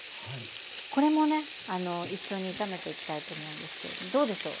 これもね一緒に炒めていきたいと思うんですけどどうでしょう？